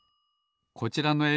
こちらのえい